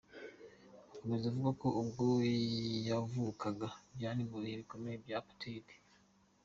Akomeza avuga ko, ubwo yavukaga, byari mu bihe bikomeye bya Apartheid.